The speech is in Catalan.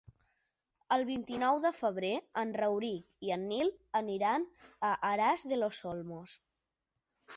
El vint-i-nou de febrer en Rauric i en Nil aniran a Aras de los Olmos.